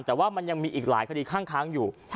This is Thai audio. แต่ว่ามันยังมีอีกหลายคดีข้างอยู่